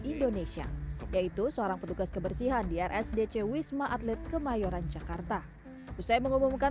indonesia yaitu seorang petugas kebersihan di rsdc wisma atlet kemayoran jakarta usai mengumumkan